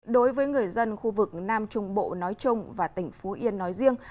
đối với người dân khu vực nam trung bộ nói chung và tỉnh phú yên nói riêng